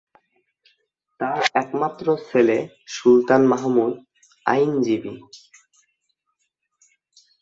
তার একমাত্র ছেলে সুলতান মাহমুদ, আইনজীবী।